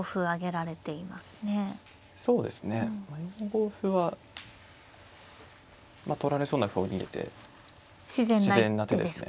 ４五歩は取られそうな歩を逃げて自然な手ですね。